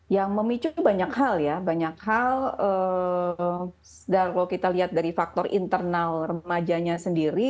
yang memicu banyak hal ya banyak hal kalau kita lihat dari faktor internal remajanya sendiri